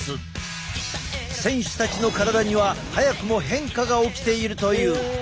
選手たちの体には早くも変化が起きているという。